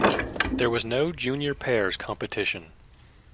There was no junior pairs competition.